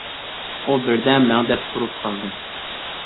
ئۇ بىر دەم مەڭدەپ تۇرۇپ قالدى.